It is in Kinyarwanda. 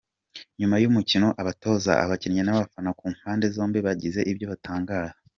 Nyuma y’umukino abatoza, abakinnyi n’abafana ku mpande zombi bagize ibyo batangaza.